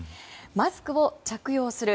マスクを着用する。